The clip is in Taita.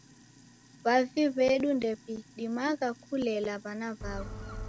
W'avi w'edu ndew'idimagha kulela w'ana w'aw'o.